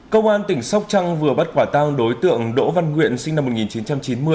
công an tỉnh sóc trăng vừa bắt quả tang đối tượng đỗ văn nguyện sinh năm một nghìn chín trăm chín mươi